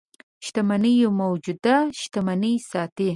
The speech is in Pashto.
شتمنيو موجوده شتمني ساتي.